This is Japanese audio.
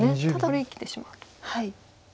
これ生きてしまうと。